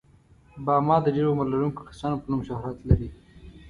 باما د ډېر عمر لرونکو کسانو په نوم شهرت لري.